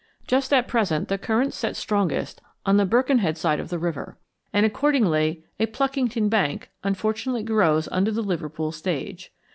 Just at present the currents set strongest on the Birkenhead side of the river, and accordingly a "Pluckington bank" unfortunately grows under the Liverpool stage.